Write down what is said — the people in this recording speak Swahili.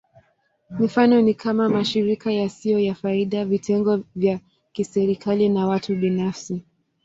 Mifano ni kama: mashirika yasiyo ya faida, vitengo vya kiserikali, na watu binafsi.